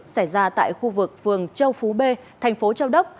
xảy ra tại khu vực phường châu phú b thành phố châu đốc